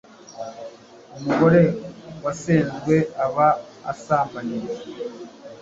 umugore wasenzwe aba asambanye